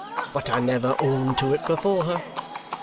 But I never own to it before her.